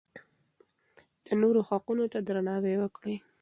د نورو حقونو ته درناوی وکړئ.